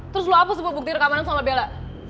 terus lo hapus buat bukti rekaman sama bella